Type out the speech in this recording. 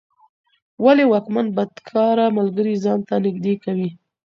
ولي واکمن بدکاره ملګري ځان ته نږدې کوي؟